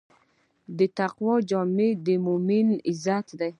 د تقوی جامه د مؤمن عزت دی.